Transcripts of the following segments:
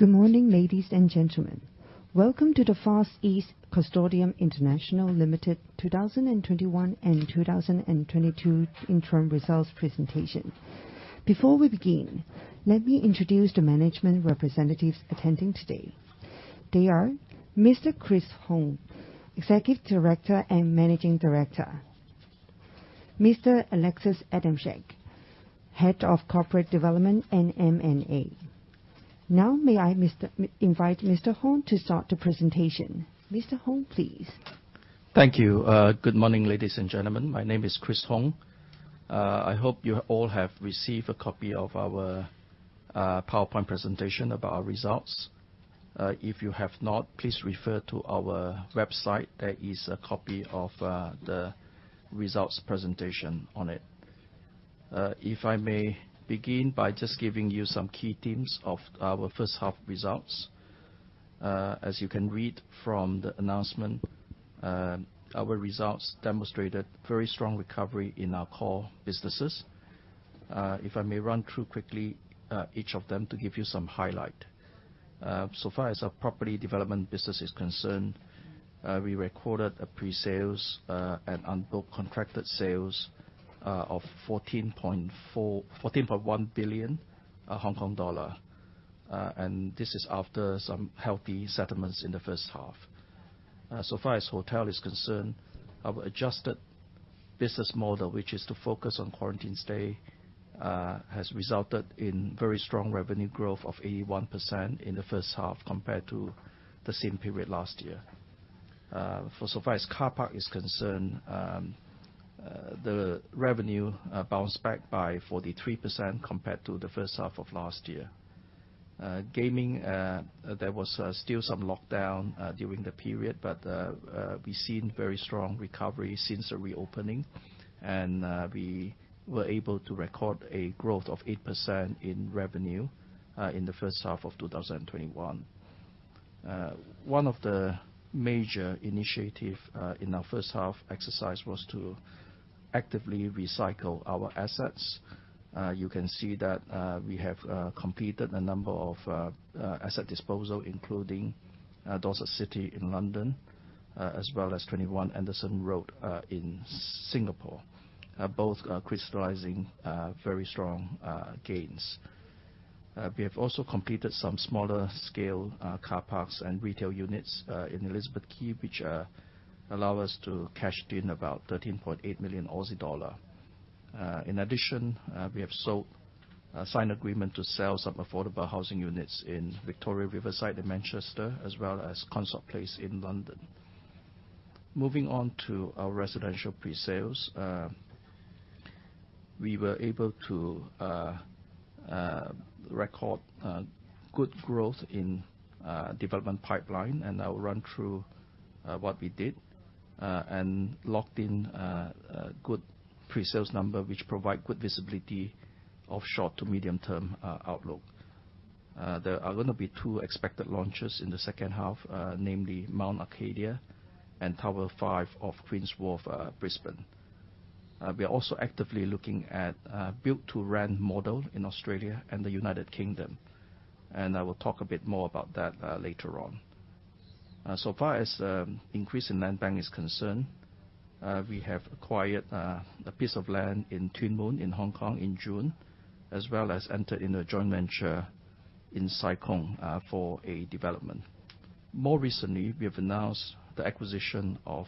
Good morning, ladies and gentlemen. Welcome to the Far East Consortium International Limited 2021 and 2022 interim results presentation. Before we begin, let me introduce the management representatives attending today. They are Mr. Chris Hoong, Executive Director and Managing Director, Mr. Alexis Adamczyk, Head of Corporate Development and M&A. Now, may I invite Mr. Hoong to start the presentation. Mr. Hoong, please. Thank you. Good morning, ladies and gentlemen. My name is Chris Hoong. I hope you all have received a copy of our PowerPoint presentation about our results. If you have not, please refer to our website. There is a copy of the results presentation on it. If I may begin by just giving you some key themes of our first half results. As you can read from the announcement, our results demonstrated very strong recovery in our core businesses. If I may run through quickly each of them to give you some highlight. So far as our property development business is concerned, we recorded presales and unbooked contracted sales of 14.1 billion Hong Kong dollar. This is after some healthy settlements in the first half. So far as hotel is concerned, our adjusted business model, which is to focus on quarantine stay, has resulted in very strong revenue growth of 81% in the first half compared to the same period last year. So far as car park is concerned, the revenue bounced back by 43% compared to the first half of last year. Gaming, there was still some lockdown during the period, but we've seen very strong recovery since the reopening, and we were able to record a growth of 8% in revenue in the first half of 2021. One of the major initiative in our first half exercise was to actively recycle our assets. You can see that we have completed a number of asset disposal, including Dorsett City in London, as well as 21 Anderson Road in Singapore. Both are crystallizing very strong gains. We have also completed some smaller scale car parks and retail units in Elizabeth Quay, which allow us to cash in about 13.8 million Aussie dollar. In addition, we have signed agreement to sell some affordable housing units in Victoria Riverside in Manchester, as well as Consort Place in London. Moving on to our residential presales. We were able to record good growth in development pipeline, and I'll run through what we did and locked in good presales number, which provide good visibility of short to medium term outlook. There are gonna be two expected launches in the second half, namely Mount Arcadia and Tower Five of Queen's Wharf Brisbane. We are also actively looking at built-to-rent model in Australia and the United Kingdom, and I will talk a bit more about that later on. So far as increase in landbank is concerned, we have acquired a piece of land in Tuen Mun in Hong Kong in June, as well as entered in a joint venture in Sai Kung for a development. More recently, we have announced the acquisition of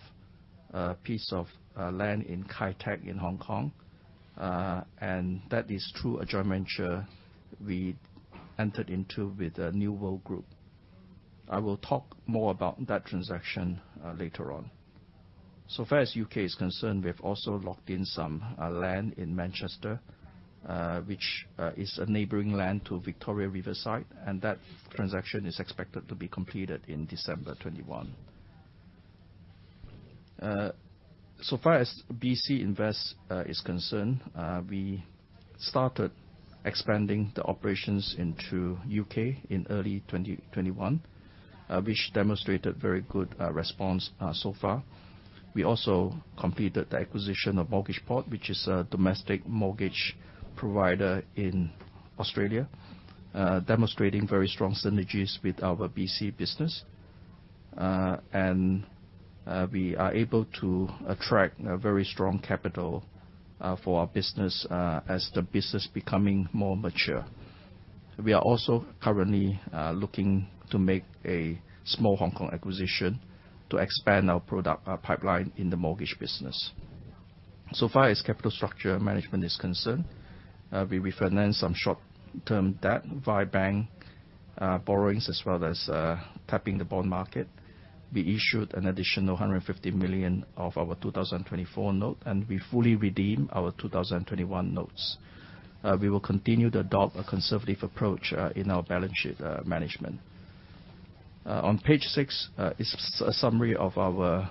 a piece of land in Kai Tak in Hong Kong, and that is through a joint venture we entered into with the New World Development. I will talk more about that transaction later on. As far as the U.K. is concerned, we've also locked in some land in Manchester, which is a neighboring land to Victoria Riverside, and that transaction is expected to be completed in December 2021. As far as BC Invest is concerned, we started expanding the operations into the U.K. in early 2021, which demonstrated very good response so far. We also completed the acquisition of Mortgageport, which is a domestic mortgage provider in Australia, demonstrating very strong synergies with our BC business. We are able to attract a very strong capital for our business as the business becoming more mature. We are also currently looking to make a small Hong Kong acquisition to expand our product pipeline in the mortgage business. So far as capital structure management is concerned, we refinanced some short-term debt via bank borrowings, as well as tapping the bond market. We issued an additional 150 million of our 2024 note, and we fully redeem our 2021 notes. We will continue to adopt a conservative approach in our balance sheet management. On page six is a summary of our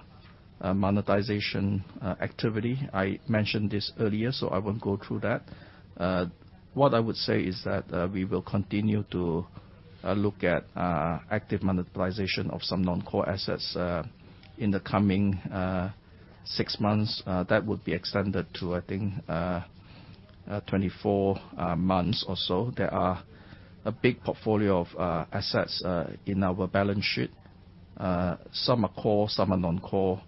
monetization activity. I mentioned this earlier, so I won't go through that. What I would say is that we will continue to look at active monetization of some non-core assets in the coming years. Six months that would be extended to, I think, 24 months or so. There are a big portfolio of assets in our balance sheet. Some are core, some are non-core.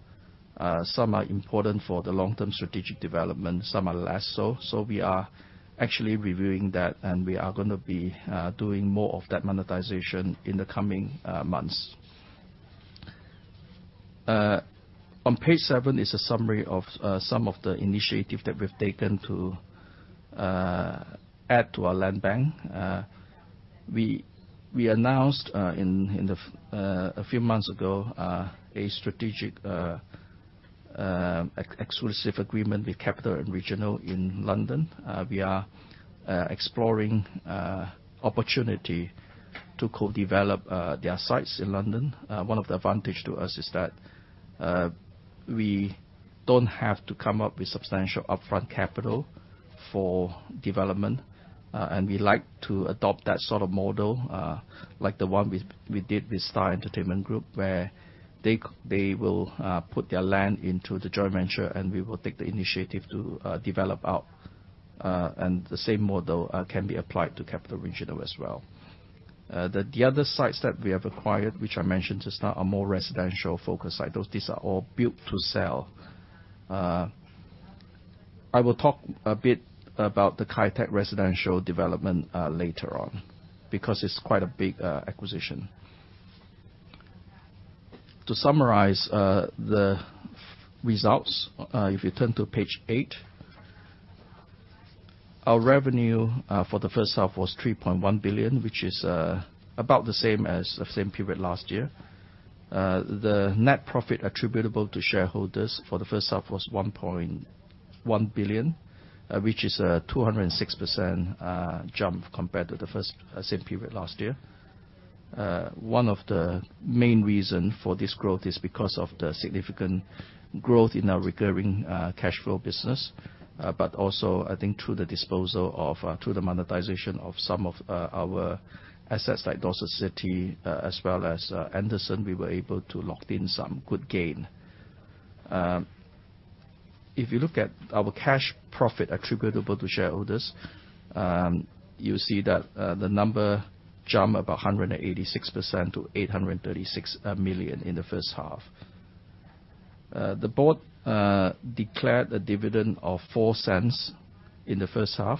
Some are important for the long-term strategic development, some are less so. We are actually reviewing that, and we are gonna be doing more of that monetization in the coming months. On page seven is a summary of some of the initiatives that we've taken to add to our land bank. We announced a few months ago a strategic exclusive agreement with Capital & Regional in London. We are exploring opportunity to co-develop their sites in London. One of the advantage to us is that we don't have to come up with substantial upfront capital for development, and we like to adopt that sort of model like the one we did with Star Entertainment Group, where they will put their land into the joint venture, and we will take the initiative to develop out. The same model can be applied to Capital & Regional as well. The other sites that we have acquired, which I mentioned just now, are more residential-focused sites. These are all built to sell. I will talk a bit about the Kai Tak residential development later on because it's quite a big acquisition. To summarize, the results, if you turn to page eight. Our revenue for the first half was 3.1 billion, which is about the same as the same period last year. The net profit attributable to shareholders for the first half was 1.1 billion, which is a 206% jump compared to the first same period last year. One of the main reason for this growth is because of the significant growth in our recurring cash flow business. Also, I think, through the monetization of some of our assets like Dorsett City, as well as Anderson, we were able to lock in some good gain. If you look at our cash profit attributable to shareholders, you'll see that the number jumped about 186% to 836 million in the first half. The board declared a dividend of 0.04 in the first half,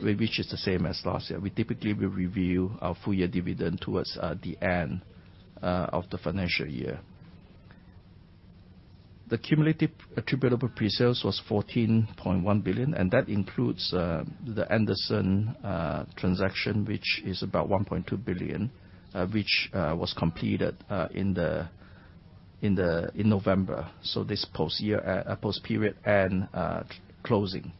which is the same as last year. We typically will review our full year dividend towards the end of the financial year. The cumulative attributable pre-sales was 14.1 billion, and that includes the Anderson transaction, which is about 1.2 billion, which was completed in November, so this post year post period and closing.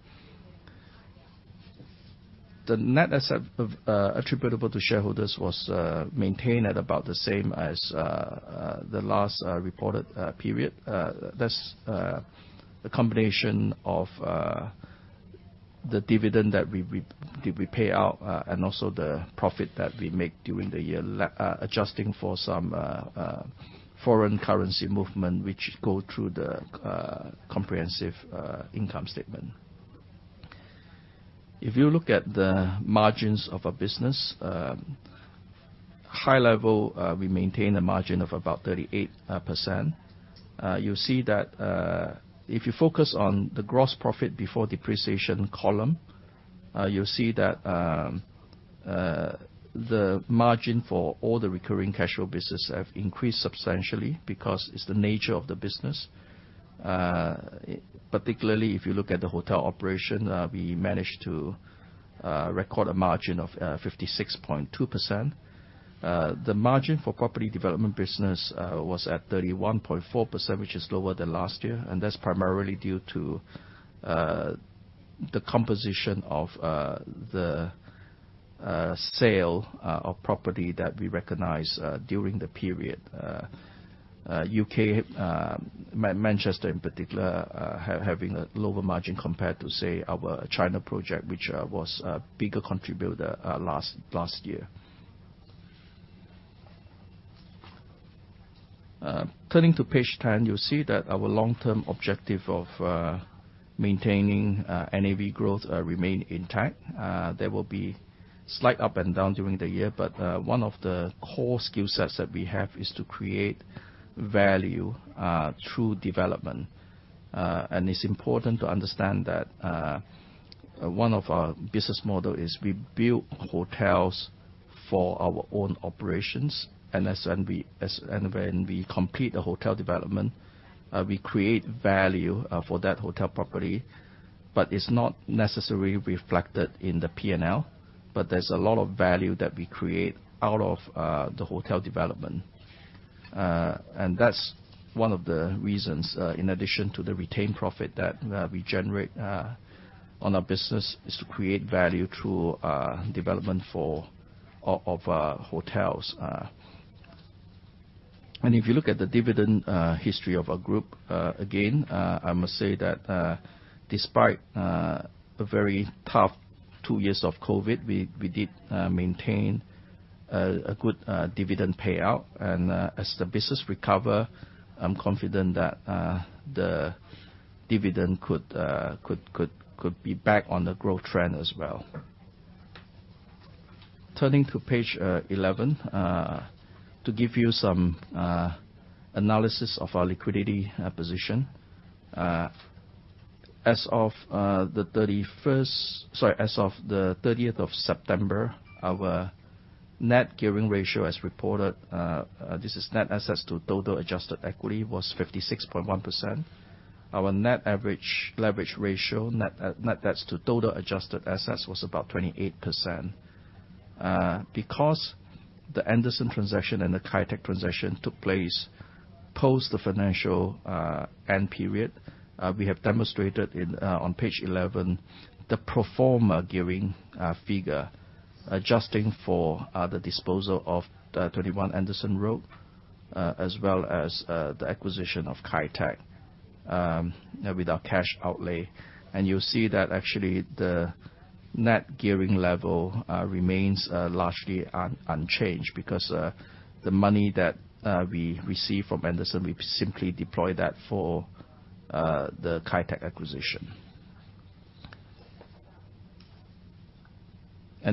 The net assets attributable to shareholders was maintained at about the same as the last reported period. That's a combination of the dividend that we pay out and also the profit that we make during the year, adjusting for some foreign currency movement, which go through the comprehensive income statement. If you look at the margins of our business, high level, we maintain a margin of about 38%. You'll see that if you focus on the gross profit before depreciation column, you'll see that the margin for all the recurring cash flow business have increased substantially because it's the nature of the business. Particularly if you look at the hotel operation, we managed to record a margin of 56.2%. The margin for property development business was at 31.4%, which is lower than last year. That's primarily due to the composition of the sale of property that we recognized during the period. U.K. Manchester in particular having a lower margin compared to, say, our China project, which was a bigger contributor last year. Turning to page 10, you'll see that our long-term objective of maintaining NAV growth remain intact. There will be slight up and down during the year, but one of the core skill sets that we have is to create value through development. It's important to understand that one of our business model is we build hotels for our own operations. When we complete the hotel development, we create value for that hotel property, but it's not necessarily reflected in the P&L. There's a lot of value that we create out of the hotel development. That's one of the reasons, in addition to the retained profit that we generate on our business, is to create value through development of hotels. If you look at the dividend history of our group, again, I must say that, despite a very tough two years of COVID, we did maintain a good dividend payout. As the business recover, I'm confident that the dividend could be back on the growth trend as well. Turning to page 11 to give you some analysis of our liquidity position. As of the 31st... Sorry, as of the 30th September, our net gearing ratio as reported, this is net assets to total adjusted equity, was 56.1%. Our net average leverage ratio, net debts to total adjusted assets was about 28%. Because the Anderson transaction and the Kai Tak transaction took place post the financial end period, we have demonstrated on page 11 the pro forma gearing figure adjusting for the disposal of 21 Anderson Road as well as the acquisition of Kai Tak with our cash outlay. You'll see that actually the net gearing level remains largely unchanged because the money that we received from Anderson, we simply deploy that for the Kai Tak acquisition.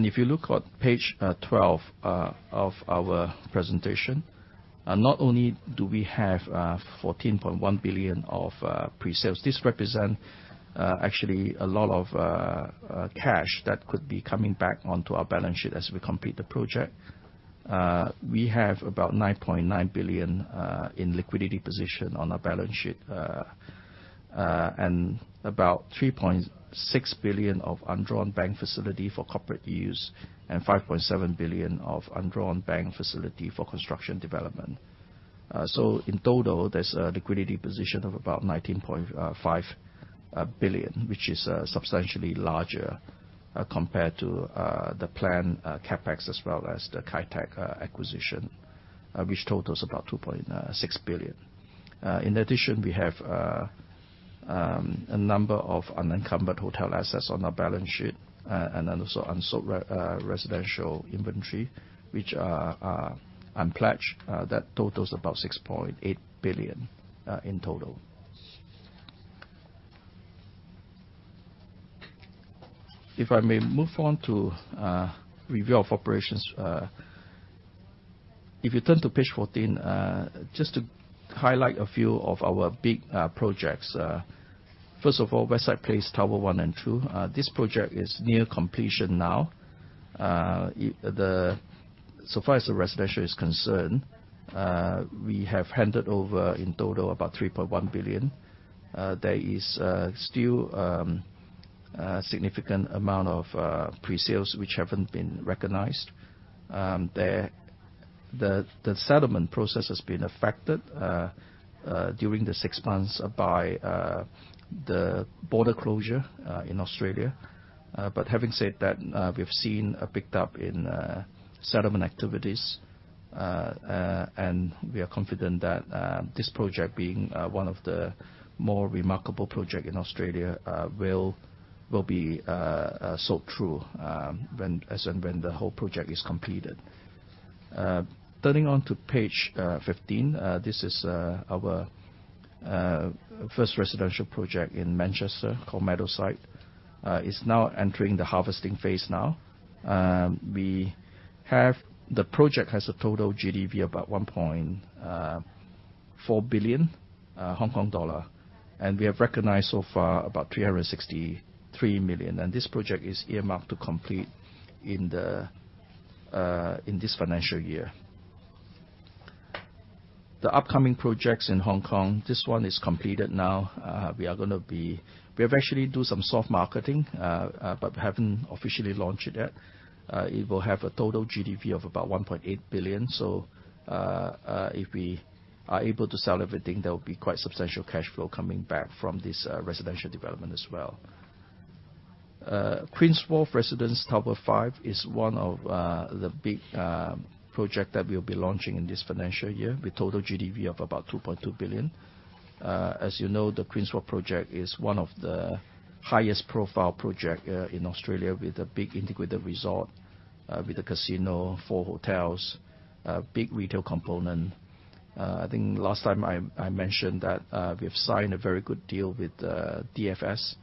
If you look on page twelve of our presentation, not only do we have 14.1 billion of pre-sales, this represent actually a lot of cash that could be coming back onto our balance sheet as we complete the project. We have about 9.9 billion in liquidity position on our balance sheet. And about 3.6 billion of undrawn bank facility for corporate use and 5.7 billion of undrawn bank facility for construction development. In total, there's a liquidity position of about 19.5 billion, which is substantially larger compared to the planned CapEx as well as the Kai Tak acquisition, which totals about 2.6 billion. In addition, we have a number of unencumbered hotel assets on our balance sheet, and then also unsold residential inventory, which are unpledged, that totals about 6.8 billion in total. If I may move on to review of operations. If you turn to page 14, just to highlight a few of our big projects. First of all, Westside Place, Tower One and Two. This project is near completion now. So far as the residential is concerned, we have handed over in total about 3.1 billion. There is still a significant amount of pre-sales which haven't been recognized. The settlement process has been affected during the six months by the border closure in Australia. Having said that, we've seen a pick-up in settlement activities. We are confident that this project being one of the more remarkable project in Australia will be sold through as and when the whole project is completed. Turning to page 15. This is our first residential project in Manchester called Meadowside. It's now entering the harvesting phase. The project has a total GDV of about 1.4 billion Hong Kong dollar, and we have recognized so far about 363 million. This project is earmarked to complete in this financial year. The upcoming projects in Hong Kong, this one is completed now. We have actually do some soft marketing, but we haven't officially launched it yet. It will have a total GDV of about 1.8 billion. If we are able to sell everything, there will be quite substantial cash flow coming back from this residential development as well. Queen's Wharf Residences Tower Five is one of the big project that we'll be launching in this financial year with total GDV of about 2.2 billion. As you know, the Queens Wharf project is one of the highest profile project in Australia with a big integrated resort with a casino, four hotels, big retail component. I think last time I mentioned that we have signed a very good deal with DFS,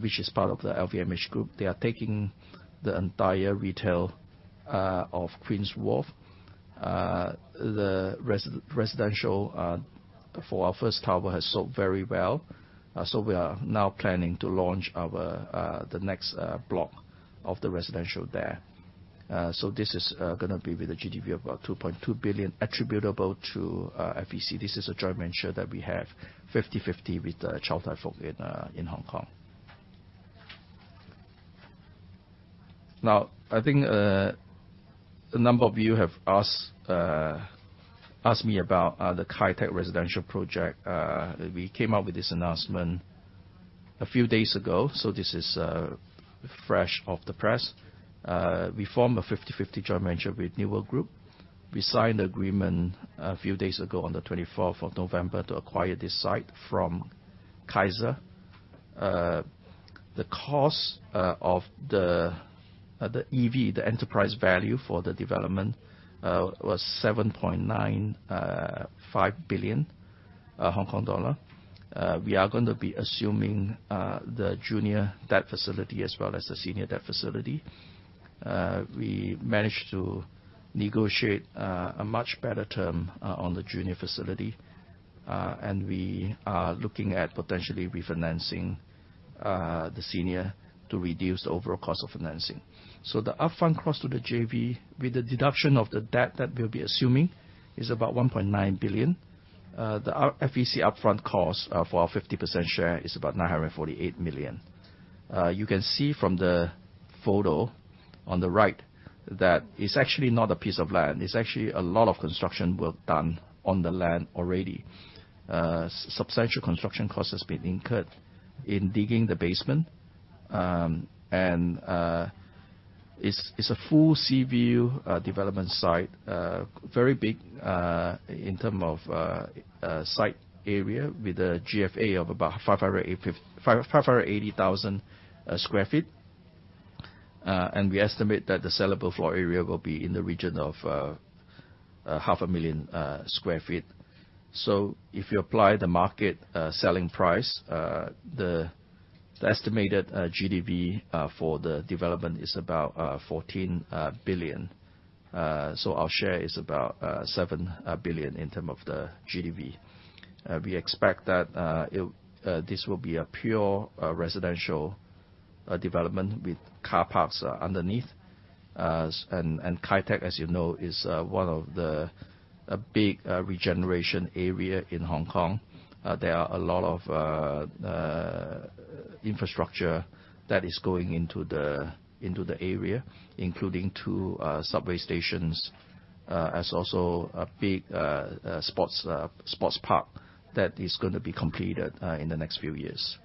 which is part of the LVMH group. They are taking the entire retail of Queen's Wharf. The residential for our first tower has sold very well, so we are now planning to launch the next block of the residential there. This is gonna be with a GDV of about 2.2 billion attributable to FEC. This is a joint venture that we have 50/50 with Chow Tai Fook in Hong Kong. Now I think a number of you have asked me about the Kai Tak residential project. We came out with this announcement a few days ago, so this is fresh off the press. We form a 50/50 joint venture with New World Development. We signed the agreement a few days ago on the twenty-fourth of November to acquire this site from Kaisa Group. The cost of the EV, the enterprise value for the development, was 7.95 billion Hong Kong dollar. We are gonna be assuming the junior debt facility as well as the senior debt facility. We managed to negotiate a much better term on the junior facility. We are looking at potentially refinancing the senior to reduce the overall cost of financing. The upfront cost to the JV with the deduction of the debt that we'll be assuming is about 1.9 billion. The FEC upfront cost for our 50 percent share is about 948 million. You can see from the photo on the right that it's actually not a piece of land. It's actually a lot of construction work done on the land already. Substantial construction cost has been incurred in digging the basement. It's a full sea view development site. Very big in terms of site area with a GFA of about 580,000 sq ft. We estimate that the sellable floor area will be in the region of 500,000 sq ft. If you apply the market selling price, the estimated GDV for the development is about 14 billion. Our share is about 7 billion in terms of the GDV. We expect that it. This will be a pure residential development with car parks underneath. Kai Tak, as you know, is one of the big regeneration areas in Hong Kong. There are a lot of infrastructure that is going into the area, including two subway stations and also a big sports park that is gonna be completed in the next few years.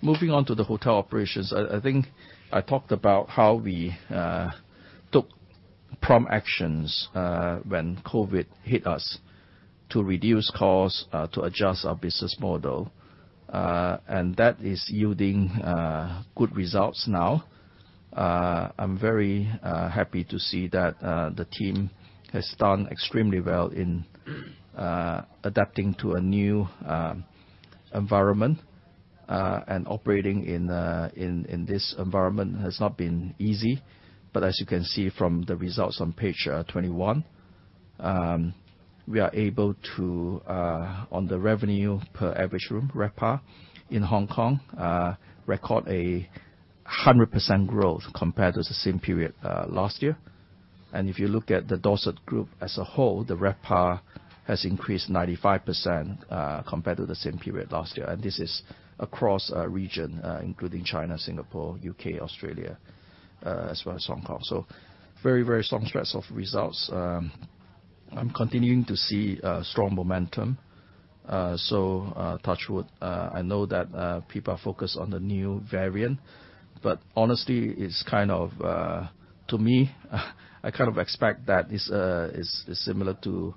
Moving on to the hotel operations. I think I talked about how we took prompt actions when COVID hit us to reduce costs to adjust our business model. That is yielding good results now. I'm very happy to see that the team has done extremely well in adapting to a new environment. Operating in this environment has not been easy. As you can see from the results on page 21, we are able to on the revenue per average room, RevPAR, in Hong Kong, record 100% growth compared to the same period last year. If you look at the Dorsett group as a whole, the RevPAR has increased 95%, compared to the same period last year. This is across region, including China, Singapore, U.K., Australia, as well as Hong Kong. Very, very strong stretch of results. I'm continuing to see strong momentum. Touch wood, I know that people are focused on the new variant, but honestly, it's kind of to me, I kind of expect that this is similar to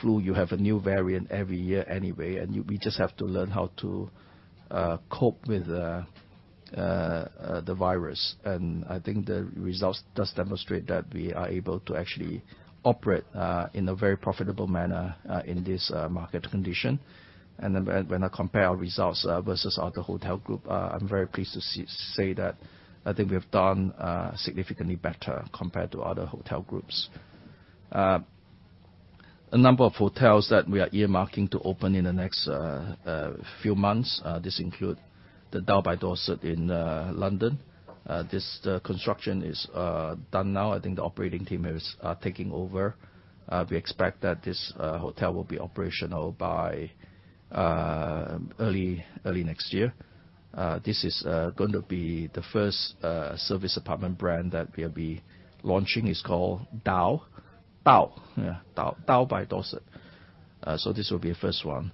flu. You have a new variant every year anyway, and we just have to learn how to cope with the virus. I think the results does demonstrate that we are able to actually operate in a very profitable manner in this market condition. When I compare our results versus other hotel group, I'm very pleased to say that I think we have done significantly better compared to other hotel groups. A number of hotels that we are earmarking to open in the next few months, this include the Dao by Dorsett in London. This construction is done now. I think the operating team is taking over. We expect that this hotel will be operational by early next year. This is going to be the first service apartment brand that we'll be launching. It's called Dao by Dorsett. This will be the first one.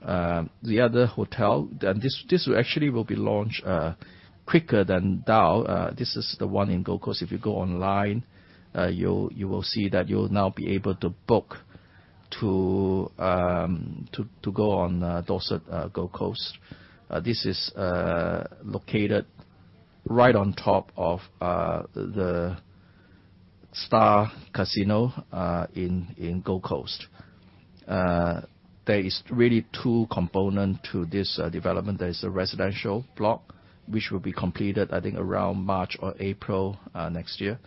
The other hotel actually will be launched quicker than Dao. This is the one in Gold Coast. If you go online, you will see that you now will be able to book to go on Dorsett Gold Coast. This is located right on top of The Star Gold Coast. There is really two components to this development. There is a residential block, which will be completed, I think, around March or April next year.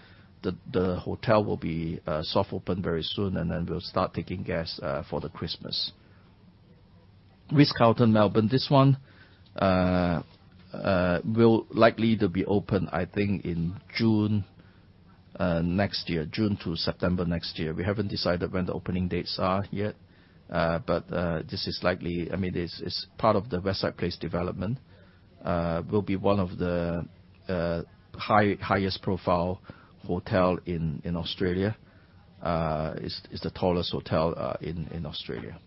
The hotel will be soft open very soon, and then we'll start taking guests for Christmas. Ritz-Carlton, Melbourne. This one will likely be open, I think, in June next year. June to September next year. We haven't decided when the opening dates are yet. This is likely. I mean, it's part of the Westside Place development. It will be one of the highest profile hotel in Australia. It's the tallest hotel in Australia.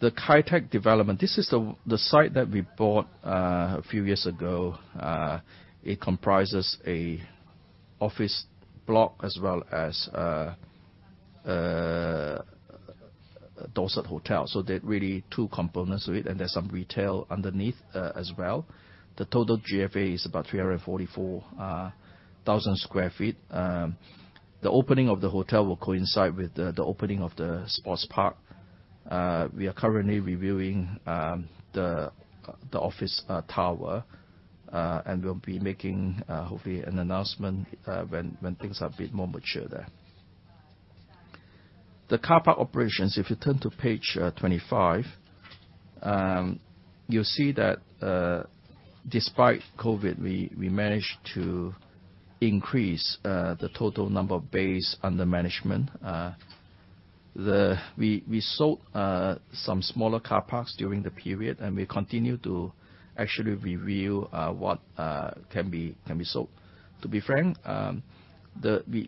The Kai Tak development, this is the site that we bought a few years ago. It comprises a office block as well as Dorsett Hotel. There are really two components to it, and there's some retail underneath as well. The total GFA is about 344,000 sq ft. The opening of the hotel will coincide with the opening of the sports park. We are currently reviewing the office tower. We'll be making, hopefully, an announcement when things are a bit more mature there. The car park operations, if you turn to page 25, you'll see that despite COVID, we managed to increase the total number of bays under management. We sold some smaller car parks during the period, and we continue to actually review what can be sold. To be frank,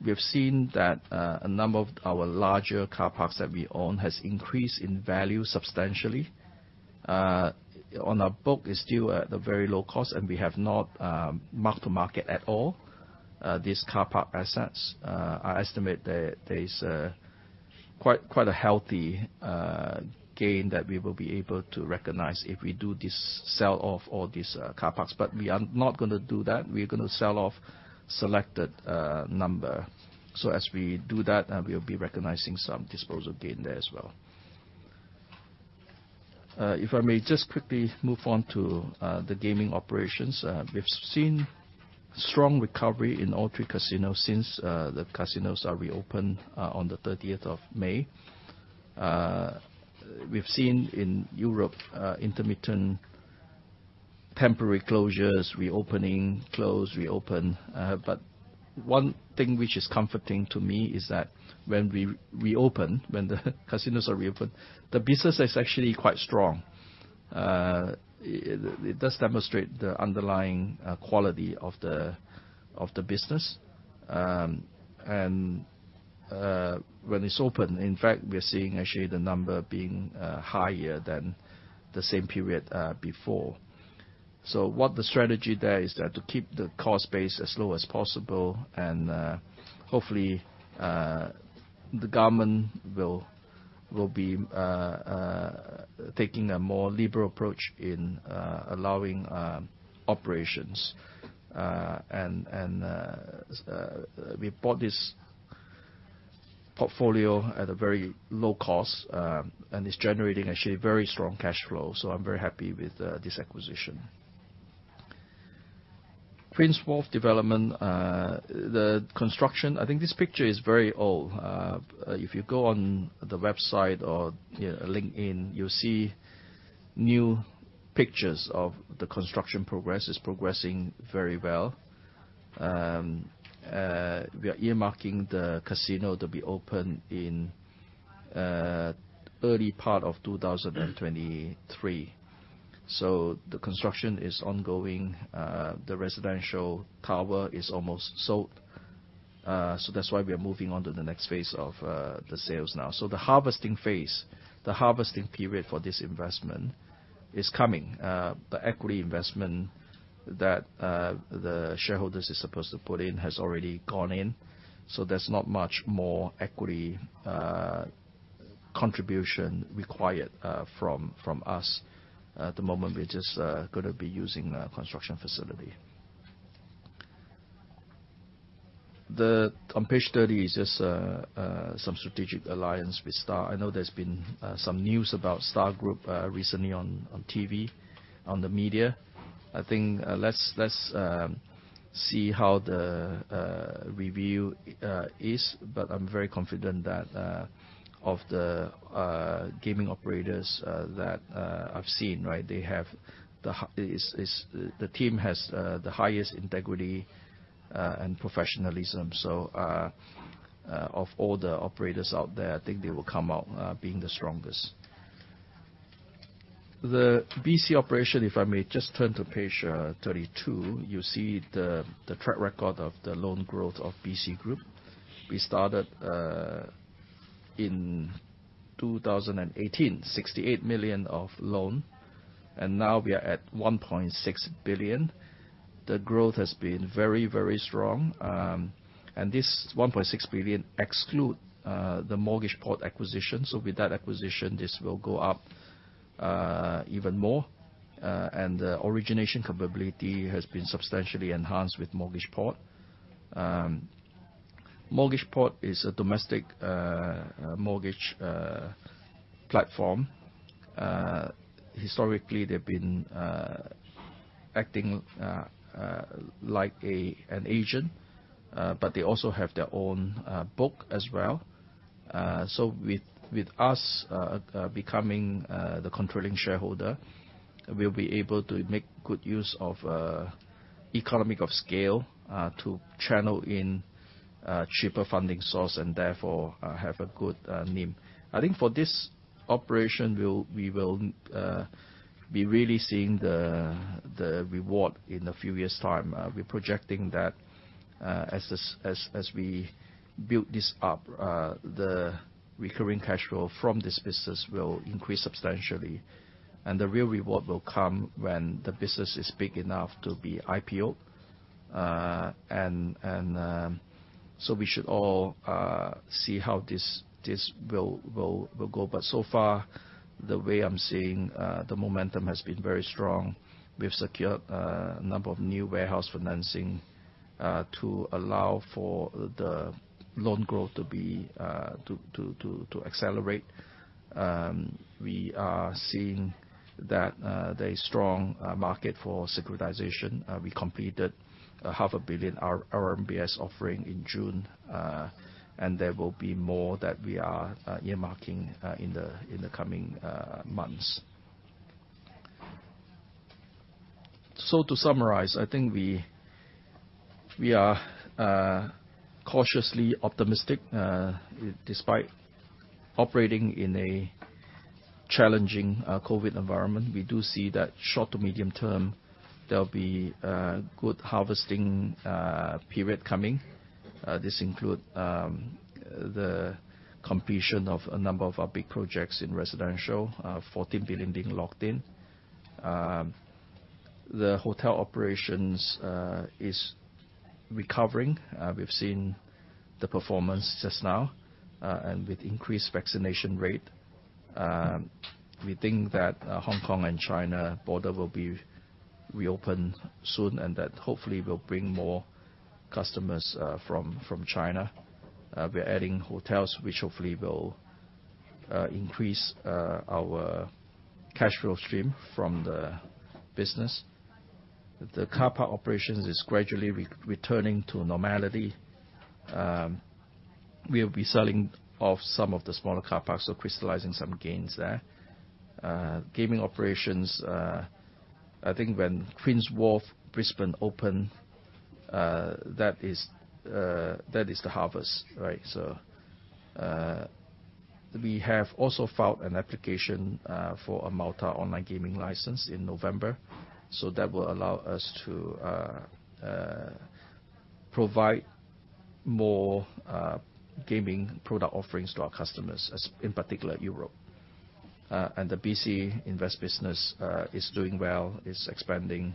we've seen that a number of our larger car parks that we own has increased in value substantially. On our books, it's still at a very low cost, and we have not mark-to-market at all these car park assets. I estimate there is quite a healthy gain that we will be able to recognize if we do this sell off all these car parks. We are not gonna do that. We're gonna sell off selected number. As we do that, we'll be recognizing some disposal gain there as well. If I may just quickly move on to the gaming operations. We've seen strong recovery in all three casinos since the casinos are reopened on the thirtieth of May. We've seen in Europe intermittent temporary closures, reopening, close, reopen. One thing which is comforting to me is that when we reopen, when the casinos are reopened, the business is actually quite strong. It does demonstrate the underlying quality of the business. when it's open, in fact, we're seeing actually the number being higher than the same period before. What the strategy there is to keep the cost base as low as possible, and hopefully the government will be taking a more liberal approach in allowing operations. We bought this portfolio at a very low cost, and it's generating actually very strong cash flow. I'm very happy with this acquisition. Queen's Wharf development, the construction. I think this picture is very old. If you go on the website or, you know, LinkedIn, you'll see new pictures of the construction progress. It's progressing very well. We are earmarking the casino to be open in early part of 2023. The construction is ongoing. The residential tower is almost sold. That's why we are moving on to the next phase of the sales now. The harvesting phase, the harvesting period for this investment is coming. The equity investment that the shareholders is supposed to put in has already gone in. There's not much more equity contribution required from us. At the moment, we're just gonna be using construction facility. On page 30 is just some strategic alliance with Star. I know there's been some news about Star Group recently on TV on the media. I think let's see how the review is. I'm very confident that of the gaming operators that I've seen, right? The team has the highest integrity and professionalism. Of all the operators out there, I think they will come out being the strongest. The BC operation, if I may just turn to page 32, you see the track record of the loan growth of BC Group. We started in 2018, 68 million of loan, and now we are at 1.6 billion. The growth has been very, very strong. This 1.6 billion exclude the Mortgageport acquisition. With that acquisition, this will go up even more. The origination capability has been substantially enhanced with Mortgageport. Mortgageport is a domestic mortgage platform. Historically, they've been acting like an agent, but they also have their own book as well. With us becoming the controlling shareholder, we'll be able to make good use of economies of scale to channel in cheaper funding sources and therefore have a good NIM. I think for this operation, we will be really seeing the reward in a few years' time. We're projecting that as we build this up, the recurring cash flow from this business will increase substantially, and the real reward will come when the business is big enough to be IPO-ed. We should all see how this will go. So far, the way I'm seeing the momentum has been very strong. We've secured a number of new warehouse financing to allow for the loan growth to accelerate. We are seeing that the strong market for securitization. We completed a half a billion RMBS offering in June. There will be more that we are earmarking in the coming months. To summarize, I think we are cautiously optimistic. Despite operating in a challenging COVID environment, we do see that short to medium term, there'll be good harvesting period coming. This includes the completion of a number of our big projects in residential, 14 billion being locked in. The hotel operations is recovering. We've seen the performance just now, and with increased vaccination rate, we think that Hong Kong and China border will be reopen soon, and that hopefully will bring more customers from China. We're adding hotels, which hopefully will increase our cash flow stream from the business. The car park operations is gradually returning to normality. We'll be selling off some of the smaller car parks, so crystallizing some gains there. Gaming operations, I think when Queen's Wharf Brisbane open, that is the harvest. Right? We have also filed an application for a Malta online gaming license in November. That will allow us to provide more gaming product offerings to our customers as in particular Europe. The BC Invest business is doing well, is expanding.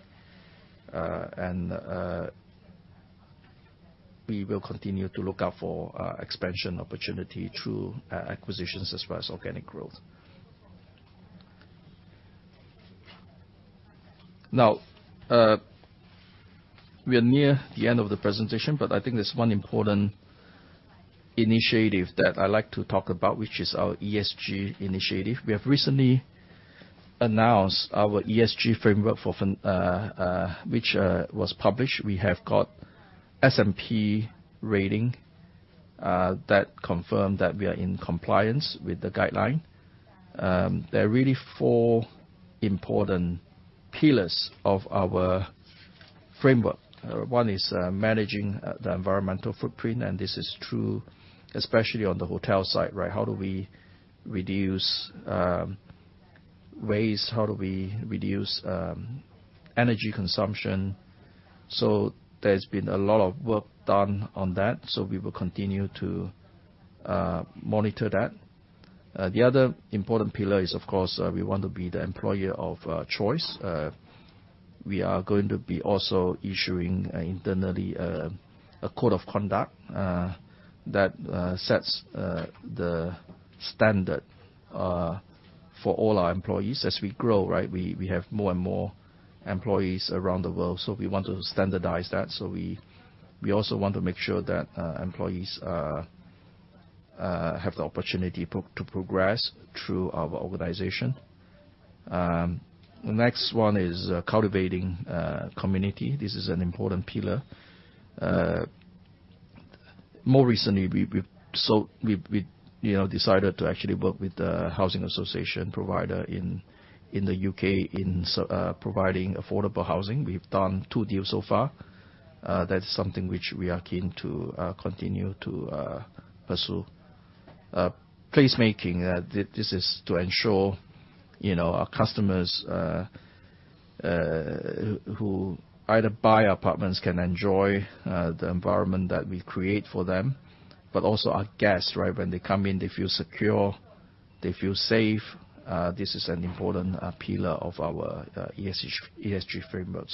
We will continue to look out for expansion opportunity through acquisitions as well as organic growth. Now, we are near the end of the presentation, but I think there's one important initiative that I like to talk about, which is our ESG initiative. We have recently announced our ESG framework for FEC, which was published. We have got S&P rating that confirmed that we are in compliance with the guideline. There are really four important pillars of our framework. One is managing the environmental footprint, and this is through, especially on the hotel side, right? How do we reduce waste? How do we reduce energy consumption? There's been a lot of work done on that. We will continue to monitor that. The other important pillar is, of course, we want to be the employer of choice. We are going to be also issuing internally a code of conduct that sets the standard for all our employees. As we grow, right, we have more and more employees around the world. We want to standardize that. We also want to make sure that employees have the opportunity to progress through our organization. The next one is cultivating community. This is an important pillar. More recently, we've decided to actually work with the housing association provider in the U.K. providing affordable housing. We've done two deals so far. That's something which we are keen to continue to pursue. Placemaking. This is to ensure, you know, our customers who either buy apartments can enjoy the environment that we create for them. Also our guests, right? When they come in, they feel secure, they feel safe. This is an important pillar of our ESG framework.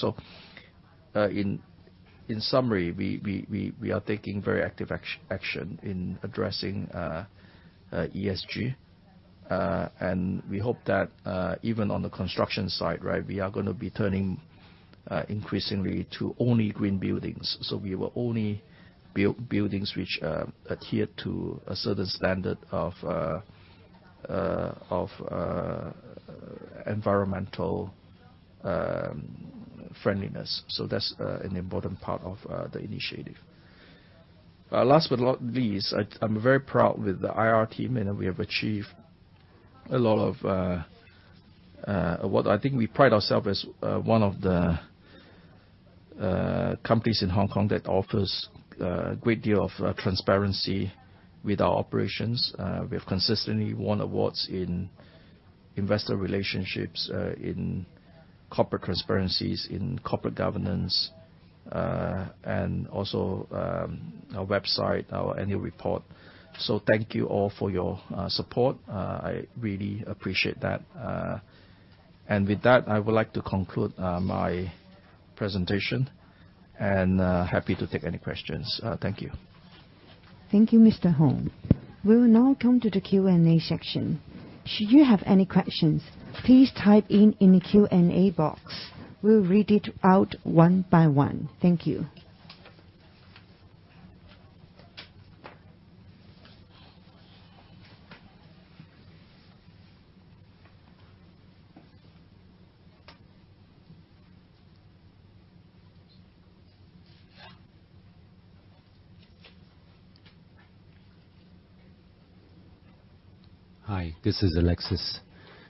In summary, we are taking very active action in addressing ESG. We hope that even on the construction side, right, we are gonna be turning increasingly to only green buildings. We will only build buildings which adhere to a certain standard of environmental friendliness. That's an important part of the initiative. Last but not least, I'm very proud with the IR team, and we have achieved a lot of What I think we pride ourselves as one of the companies in Hong Kong that offers a great deal of transparency with our operations. We've consistently won awards in investor relations, corporate transparency, and corporate governance, and also our website, our annual report. Thank you all for your support. I really appreciate that. And with that, I would like to conclude my presentation, and happy to take any questions. Thank you. Thank you, Mr. Hoong. We will now come to the Q&A section. Should you have any questions, please type in the Q&A box. We'll read it out one by one. Thank you. Hi, this is Alexis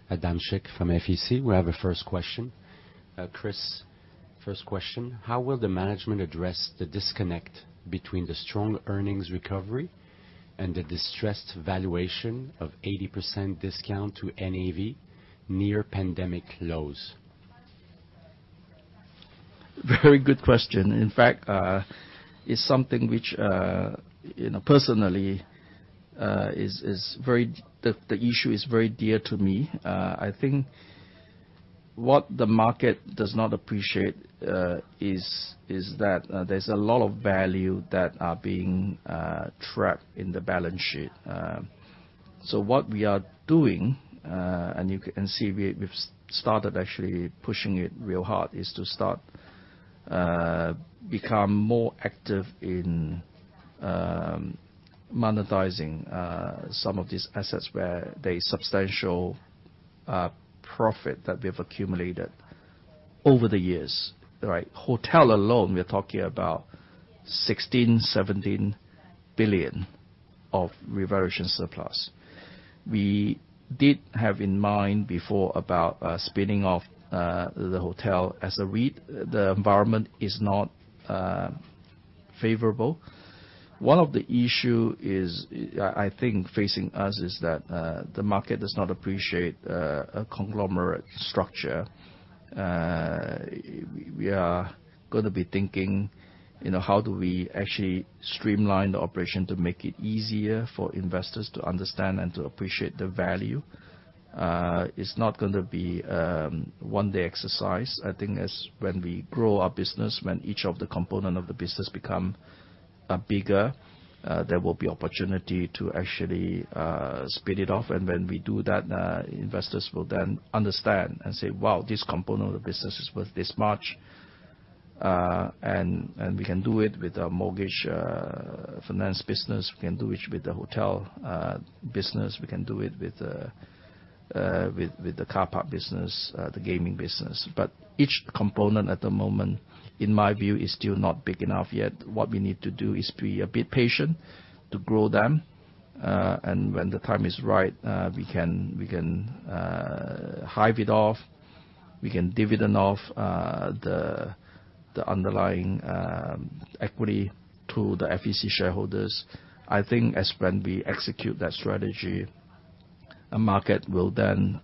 Adamczyk from FEC. We have a first question. Chris, first question, how will the management address the disconnect between the strong earnings recovery and the distressed valuation of 80% discount to NAV near pandemic lows? Very good question. In fact, it's something which, you know, personally, the issue is very dear to me. I think what the market does not appreciate is that there's a lot of value that are being trapped in the balance sheet. So what we are doing, and you can see, we've started actually pushing it real hard, is to become more active in monetizing some of these assets where the substantial profit that we have accumulated over the years. Right. Hotel alone, we are talking about 16 billion-17 billion of reversion surplus. We did have in mind before about spinning off the hotel as a REIT. The environment is not favorable. One of the issue is, I think facing us is that, the market does not appreciate, a conglomerate structure. We are gonna be thinking, you know, how do we actually streamline the operation to make it easier for investors to understand and to appreciate the value? It's not gonna be, one day exercise. I think as when we grow our business, when each of the component of the business become, bigger, there will be opportunity to actually, spin it off. When we do that, investors will then understand and say, "Wow, this component of the business is worth this much." And we can do it with our mortgage, finance business. We can do it with the hotel, business. We can do it with the car park business, the gaming business. Each component at the moment, in my view, is still not big enough yet. What we need to do is be a bit patient to grow them. When the time is right, we can hive it off. We can dividend off the underlying equity to the FEC shareholders. I think as when we execute that strategy, the market will then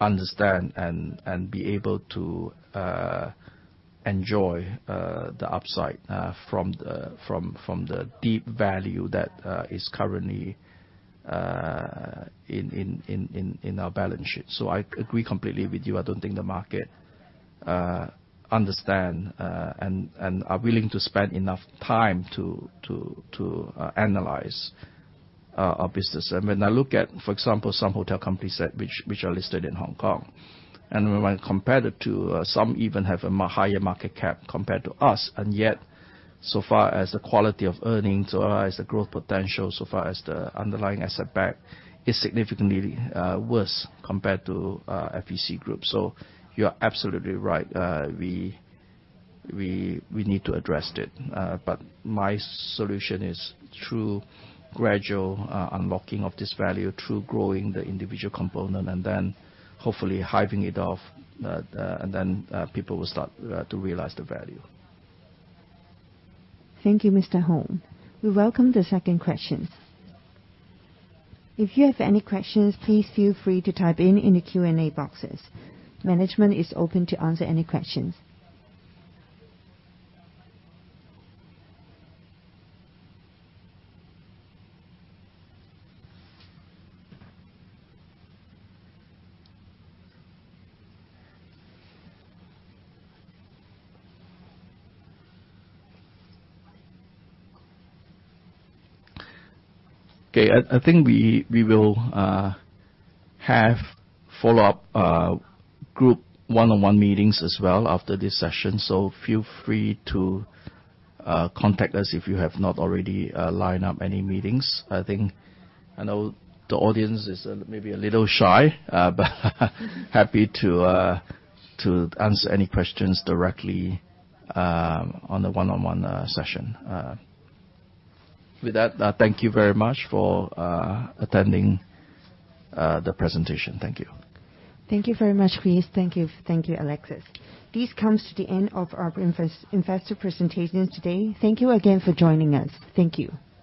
understand and be able to enjoy the upside from the deep value that is currently in our balance sheet. I agree completely with you. I don't think the market understand and are willing to spend enough time to analyze our business. When I look at, for example, some hotel companies that... Which are listed in Hong Kong, and when compared to some even have a higher market cap compared to us. Yet, so far as the quality of earnings, or as the growth potential, so far as the underlying asset base is significantly worse compared to FEC Group. You are absolutely right. We need to address it. My solution is through gradual unlocking of this value, through growing the individual component, and then hopefully hiving it off. People will start to realize the value. Thank you, Mr. Hoong. We welcome the second question. If you have any questions, please feel free to type in the Q&A boxes. Management is open to answer any questions. Okay. I think we will have follow-up group one-on-one meetings as well after this session. Feel free to contact us if you have not already lined up any meetings. I think I know the audience is maybe a little shy but happy to answer any questions directly on the one-on-one session. With that, thank you very much for attending the presentation. Thank you. Thank you very much, Chris. Thank you. Thank you, Alexis. This comes to the end of our investor presentation today. Thank you again for joining us. Thank you.